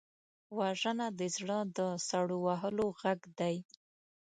وژنه د زړه د سړو وهلو غږ دی